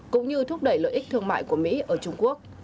cũng như thúc đẩy lợi ích thương mại của mỹ ở trung quốc